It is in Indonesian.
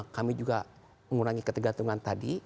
kami juga mengurangi ketergantungan tadi